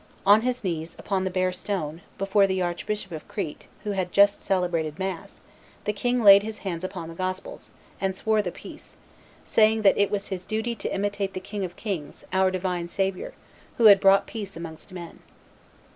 On his knees, upon the bare stone, before the Archbishop of Crete, who had just celebrated mass, the king laid his hands upon the Gospels, and swore the peace, saying that "It was his duty to imitate the King of kings, our divine Saviour, who had brought peace amongst men."